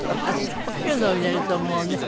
そういうのを入れるともうね。